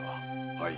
はい。